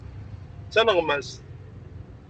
D taneɣmast.